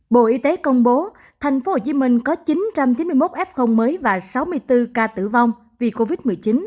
bộ y tế công bố tp hcm có chín trăm chín mươi một f mới và sáu mươi bốn ca tử vong vì covid một mươi chín